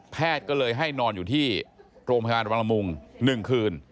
แพทย์ก็เลยให้นอนอยู่ที่โรงพยาบาลบางรมงค์๑คืน